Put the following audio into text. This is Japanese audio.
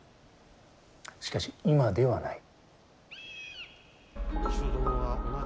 しかし今ではない。